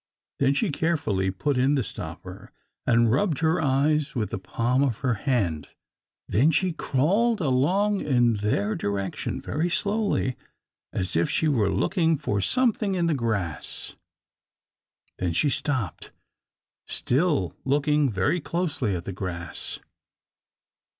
Then she carefully put in the stopper, and rubbed her eyes with the palm of her hand. Then she crawled along in their direction, very slowly, as if she were looking for something in the grass. Then she stopped, still looking very closely at the grass.